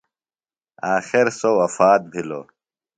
آخر سوۡ وفات بھِلوۡ.